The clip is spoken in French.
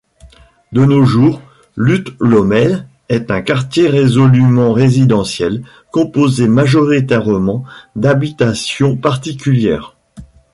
De nos jours, Lutlommel est un quartier résolument résidentiel, composés majoritairement d'habitations particulières.